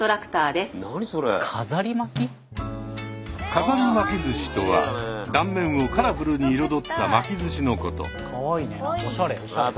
飾り巻き寿司とは断面をカラフルに彩った巻き寿司のこと。